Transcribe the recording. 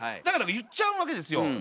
だから言っちゃうわけですよ。